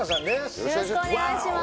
よろしくお願いします